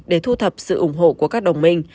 để thu thập sự ủng hộ của các đồng minh